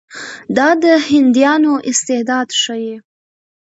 دا د هندیانو استعداد ښيي.